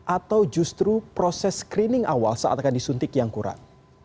atau justru proses screening awal saat akan disuntik yang kurang